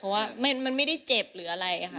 เพราะว่ามันไม่ได้เจ็บหรืออะไรค่ะ